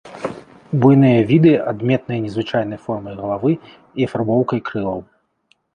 Буйныя віды, адметныя незвычайнай формай галавы і афарбоўкай крылаў.